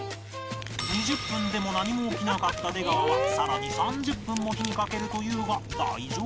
２０分でも何も起きなかった出川はさらに３０分も火にかけるというが大丈夫なのか？